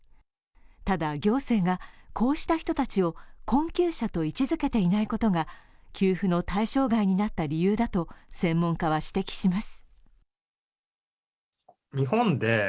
ただ、行政がこうした人たちを困窮者と位置づけていないことが給付の対象外になった理由だと専門家は指摘します。